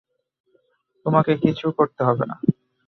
তোমাকে কিছু করতে হবে না।